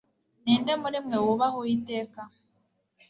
Ni nde muri mwe wubaha Uwiteka